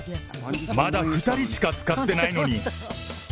まだ２人しか使ってないのに。